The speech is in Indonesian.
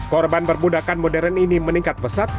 korban berbudakan modern ini meningkat pesat